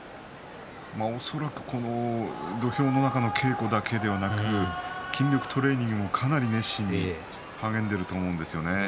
恐らく土俵の中の稽古だけでなく筋力トレーニングもかなり熱心に励んでいると思うんですよね。